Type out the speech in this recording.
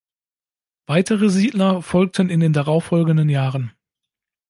Weitere Siedler folgten in den darauf folgenden Jahren.